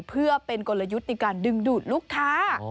เพื่อเป็นกลยุทธ์ในการดึงดูดลูกค้า